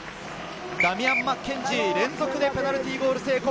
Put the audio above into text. ダミアン・マッケンジー、連続でペナルティーゴール成功！